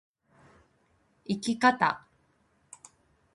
生き方